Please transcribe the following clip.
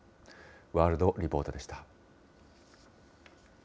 ワールドリポートでした。